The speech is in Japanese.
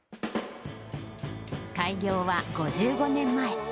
開業は５５年前。